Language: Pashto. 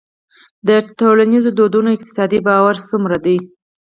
د ټولنیزو دودونو اقتصادي بار څومره دی؟